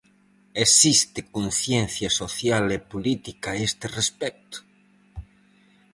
Existe conciencia social e política a este respecto?